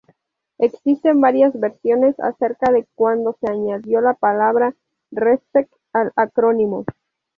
Existen varias versiones acerca de cuándo se añadió la palabra "Respect" al acrónimo.